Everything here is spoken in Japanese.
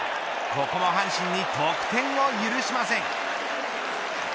ここは阪神に得点を許しません。